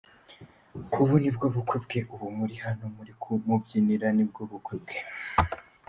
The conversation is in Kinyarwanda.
Ubu nibwo bukwe bwe, ubu muri hano muri kumubyinira, nibwo bukwe bwe.